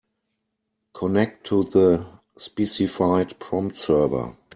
Connect to the specified prompt server.